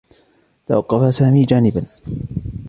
توقّف سامي جانبا.